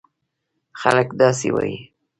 خلک داسې وایي: